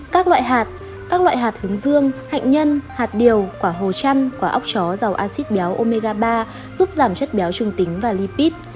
các loại hạt các loại hạt hướng dương hạnh nhân hạt điều quả hồ trăm quả óc chó dầu acid béo omega ba giúp giảm chất béo trung tính và lipid